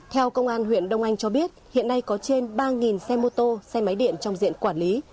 theo công an huyện đông anh cho biết hiện nay có trên ba xe mô tô xe máy điện trong diện quản lý